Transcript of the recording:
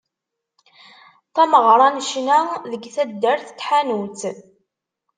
Tameɣra n ccna deg taddart n Taḥanut.